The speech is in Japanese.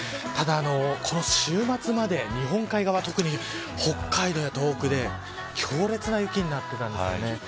ただ、この週末まで日本海側、特に北海道や東北で強烈な雪になっていたんです。